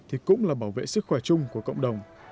thì cũng là bảo vệ sức khỏe chung của cộng đồng